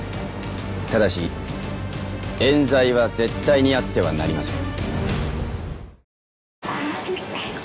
ただし冤罪は絶対にあってはなりません。